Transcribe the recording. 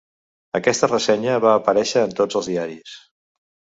Aquesta ressenya va aparèixer en tots els diaris.